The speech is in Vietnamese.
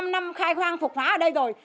ba mươi năm năm khai hoang phục phá ở đây rồi